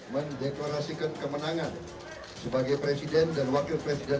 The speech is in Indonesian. mendeklarasikan kemenangan sebagai presiden dan wakil presiden